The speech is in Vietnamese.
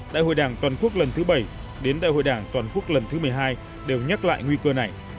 đại hội đảng toàn quốc lần thứ bảy đến đại hội đảng toàn quốc lần thứ một mươi hai đều nhắc lại nguy cơ này